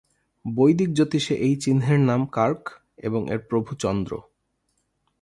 বৈদিক জ্যোতিষে এই চিহ্নের নাম কার্ক এবং এর প্রভু চন্দ্র।